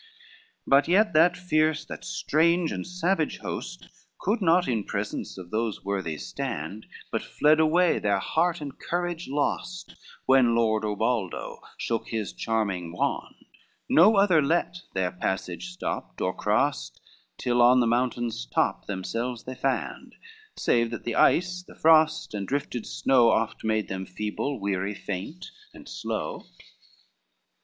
LII But yet that fierce, that strange and savage host Could not in presence of those worthies stand, But fled away, their heart and courage lost, When Lord Ubaldo shook his charming wand. No other let their passage stopped or crossed; Till on the mountain's top themselves they land, Save that the ice, the frost, and drifted snow, Oft made them feeble, weary, faint and slow.